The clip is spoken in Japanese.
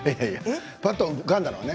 ぱっと浮かんだのはね。